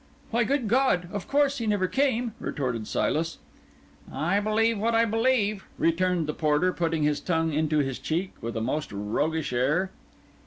"Why, good God, of course he never came," retorted Silas. "I believe what I believe," returned the porter, putting his tongue into his cheek with a most roguish air.